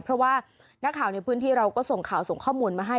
เพราะว่านักข่าวในพื้นที่เราก็ส่งข่าวส่งข้อมูลมาให้